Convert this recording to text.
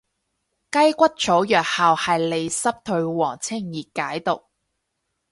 雞骨草藥效係利濕退黃清熱解毒